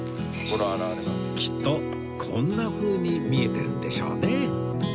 きっとこんなふうに見えてるんでしょうね